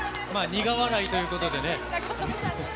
苦笑いということで。